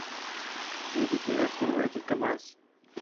Dirigida por Betty Thomas.